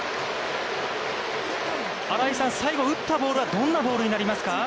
新井さん、最後打ったボールはどんなボールになりますか。